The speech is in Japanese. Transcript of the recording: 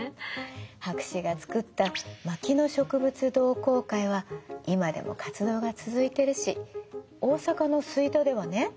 博士が作った牧野植物同好会は今でも活動が続いてるし大阪の吹田ではね